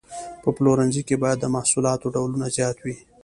په پلورنځي کې باید د محصولاتو ډولونه زیات وي.